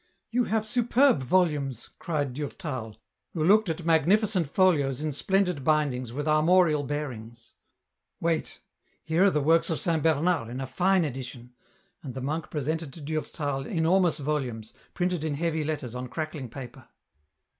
" You have superb volumes," cried Durtal, who looked at magnificent folios in splendid bindings with armorial bearings. " Wait ; here are the works of Saint Bernard in a fine edition," and the monk presented to Durtal enormous volumes, printed in heavy letters on crackling paper.